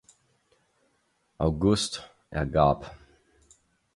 August ergab.